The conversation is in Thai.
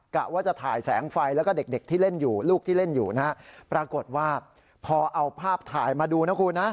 กะว่าจะถ่ายแสงไฟแล้วก็เด็กเด็กที่เล่นอยู่ลูกที่เล่นอยู่นะฮะปรากฏว่าพอเอาภาพถ่ายมาดูนะคุณนะ